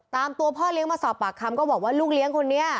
ตามตัวพ่อเลี้ยงมาสอบปากคำก็บอกว่าลูกเลี้ยงคนนี้